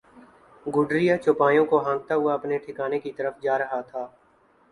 گڈریا چوپایوں کو ہانکتا ہوا اپنے ٹھکانے کی طرف جا رہا تھا